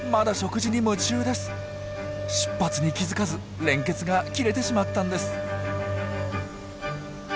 出発に気付かず連結が切れてしまったんです。